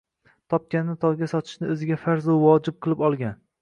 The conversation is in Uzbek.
topkanini to‘yga sochishni o‘ziga farzu vojib qilib olgan